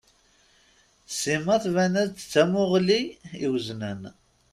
Sima tban-as-d d tamuɣli i weznen.